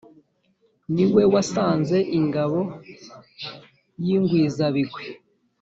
ni we wasanze ingabo y’ingwizabigwi